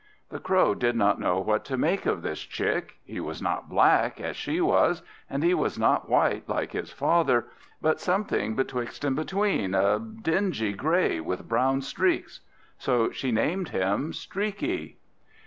The Crow did not know what to make of this chick; he was not black, as she was, and he was not white, like his father, but something betwixt and between, a dingy grey with brown streaks. So she named him Streaky.